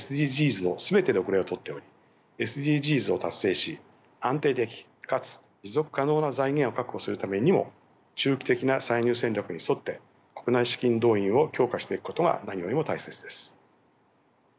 ＳＤＧｓの全てで後れを取っておりＳＤＧｓを達成し安定的かつ持続可能な財源を確保するためにも中期的な歳入戦略に沿って国内資金動員を強化していくことが何よりも大切です。